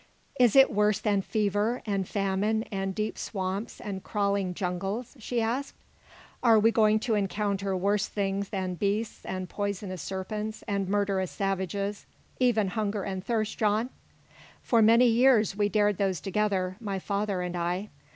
"Is it worse than fever, and famine, and deep swamps, and crawling jungles?" she asked. "Are we going to encounter worse things than beasts, and poisonous serpents, and murderous savages even hunger and thirst, John? For many years we dared those together my father and I.